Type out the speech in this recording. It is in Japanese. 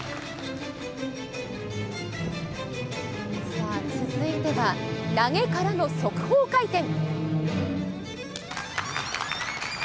さあ、続いては投げからの側方回転。